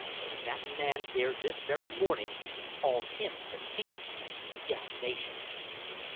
... And that man dared this very morning call him a thief! Damnation!